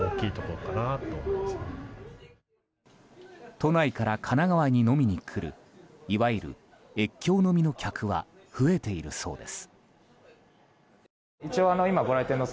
都内から神奈川に飲みに来るいわゆる越境飲みの客は増えているそうです。